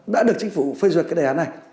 đã được chính phủ phơi ruột cái đề án này